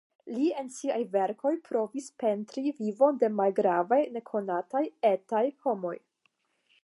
Li en siaj verkoj provis pentri vivon de malgravaj nekonataj "etaj" homoj.